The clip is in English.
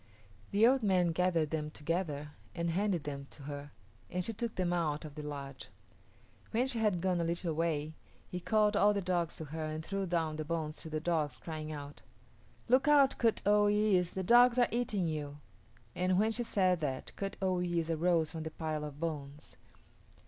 The old man gathered them together and handed them to her, and she took them out of the lodge. When she had gone a little way, she called all the dogs to her and threw down the bones to the dogs, crying out, "Look out, Kut o yis´, the dogs are eating you," and when she said that, Kut o yis´ arose from the pile of bones.